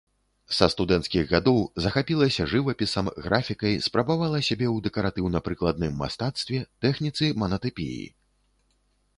Са студэнцкіх гадоў захапілася жывапісам, графікай, спрабавала сябе ў дэкаратыўна-прыкладным мастацтве, тэхніцы манатыпіі.